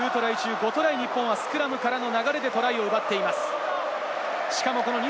９トライ中５トライ、日本はスクラムからの流れでトライを奪っています。